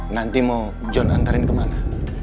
nanti mau john antarin kemana